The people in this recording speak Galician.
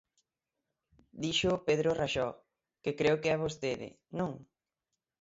Díxoo Pedro Raxó, que creo que é vostede, ¿non?